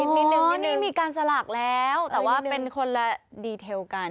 นิดนึงนี่มีการสลากแล้วแต่ว่าเป็นคนละดีเทลกัน